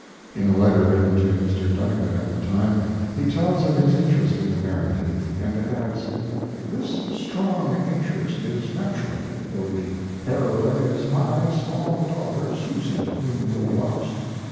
In a letter written to Mr. Duneka at the time, he tells of his interest in the narrative, and adds: This strong interest is natural, for the heroine is my small daughter Susy, whom we lost.